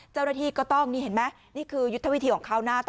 เจ้าหน้าที่ก็ต้องนี่เห็นไหมนี่คือยุทธวิธีของเขานะ